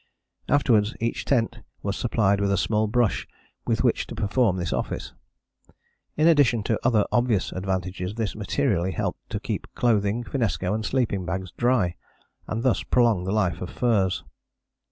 Afterwards each tent was supplied with a small brush with which to perform this office. In addition to other obvious advantages this materially helped to keep clothing, finnesko, and sleeping bags dry, and thus prolong the life of furs.